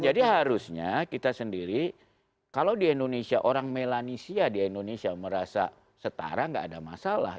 jadi harusnya kita sendiri kalau di indonesia orang melanesia di indonesia merasa setara gak ada masalah